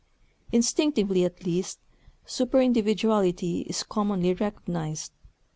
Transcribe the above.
Instinctively, at least, superindividuality is commonly recognized.